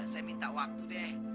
saya minta waktu deh